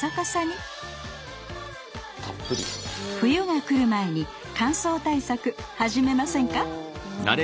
冬が来る前に乾燥対策始めませんか。